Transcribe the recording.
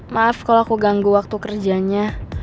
maaf kalau aku ganggu waktu kerjanya